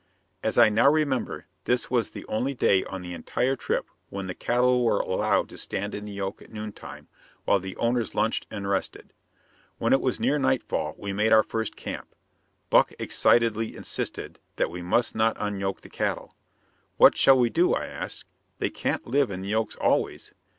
As I now remember, this was the only day on the entire trip when the cattle were allowed to stand in the yoke at noontime, while the owners lunched and rested. When it was near nightfall we made our first camp. Buck excitedly insisted that we must not unyoke the cattle. "What shall we do?" I asked. "They can't live in the yoke always."